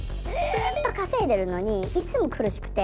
・ずっと稼いでるのにいつも苦しくて。